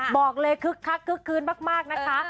บอกเลยคึกคักคึกคืนมากนะคะ